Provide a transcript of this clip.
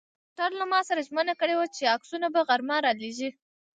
ډاکټر له ما سره ژمنه کړې وه چې عکسونه به غرمه را لېږي.